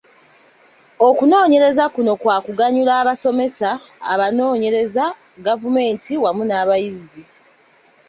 Okunoonyereza kuno kwa kuganyula abasomesa, abanoonyereza, gavumenti wamu n'abayizi.